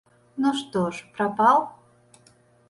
Ну, што ж, прапаў?